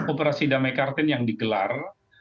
operasi damai kartin yang digelar